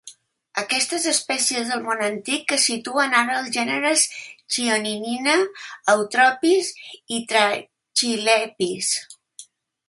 Aquestes espècies del Món Antic es situen ara als gèneres "Chioninia", "Eutropis" i "Trachylepis".